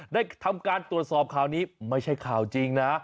ได้ทำการตรวจสอบข่าวนี้ไม่ใช่ข่าวจริงนะ